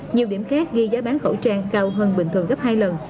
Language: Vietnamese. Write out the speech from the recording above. nhiều điểm khác ghi giá bán khẩu trang cao hơn bình thường gấp hai lần